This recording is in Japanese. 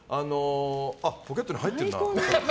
あ、ポケットに入ってるな。